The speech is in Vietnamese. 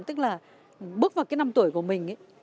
tức là bước vào cái năm tuổi của mình